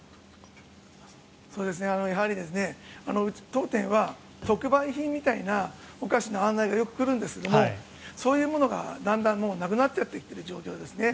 やはり、当店は直売品みたいなお菓子の案内がよく来るんですがそういうものがなくなってきている状況ですね。